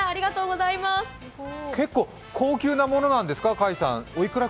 結構、高級なものなんですか？